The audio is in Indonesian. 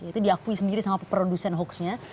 itu diakui sendiri sama peproduksen hoksnya